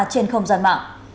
trên không gian mạng